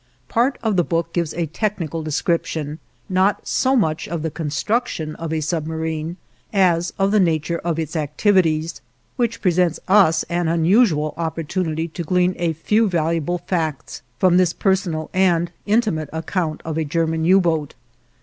Part of the book gives a technical description, not so much of the construction of a submarine as of the nature of its activities, which presents us an unusual opportunity to glean a few valuable facts from this personal and intimate account of a German U boat.